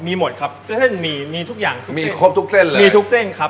มีหมดครับเซ้นมีทุกอย่างมีคบทุกเซ้นมีทุกเซ้นครับ